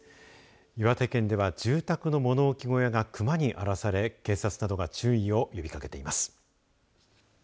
岩手県では住宅の物置小屋がクマに荒らされ警察などが注意を呼びかけています。